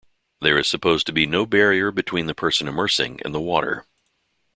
There is supposed to be no barrier between the person immersing and the water.